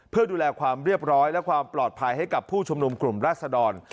เพื่อดูแลความเรียบร้อยและความปลอดภัยให้กับผู้ชุมนุมกลุ่มราศดร